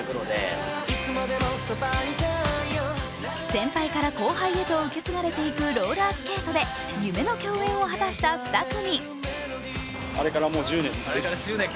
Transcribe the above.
先輩から後輩へと受け継がれていくローラースケートで夢の共演を果たした２組。